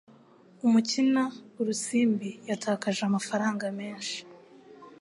Umukina urusimbi yatakaje amafaranga menshi.